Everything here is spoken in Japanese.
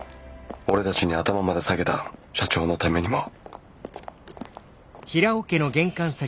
俺たちに頭まで下げた社長のためにも。